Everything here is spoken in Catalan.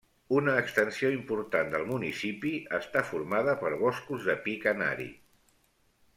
Una extensió important del municipi està formada per boscos de pi canari.